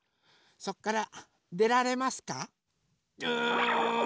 そっからでられますか？